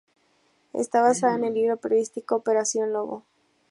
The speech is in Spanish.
Está basada en el libro periodístico "Operación Lobo".